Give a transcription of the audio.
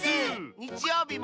にちようびも。